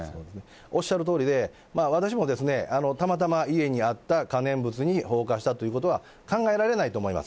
おっしゃるとおりで、私もたまたま家にあった可燃物に放火したということは考えられないと思います。